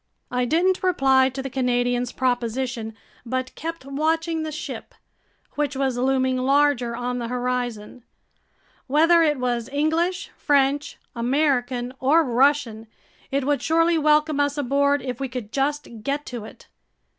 I didn't reply to the Canadian's proposition but kept watching the ship, which was looming larger on the horizon. Whether it was English, French, American, or Russian, it would surely welcome us aboard if we could just get to it.